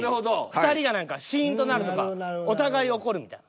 ２人が何かシーンとなるとかお互い怒るみたいな。